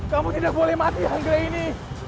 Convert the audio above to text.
kamu tidak boleh mati negeri ini